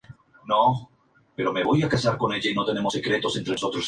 La canción fue incluida en la versión exclusiva de Target del álbum Queen.